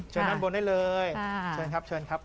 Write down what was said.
เชิญข้างบนได้เลยเชิญครับ